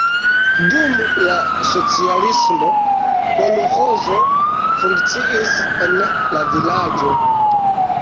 Dum la socialismo kolĥozo funkciis en la vilaĝo.